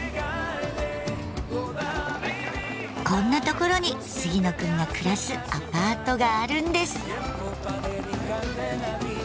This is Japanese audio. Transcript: こんな所に杉野くんが暮らすアパートがあるんです。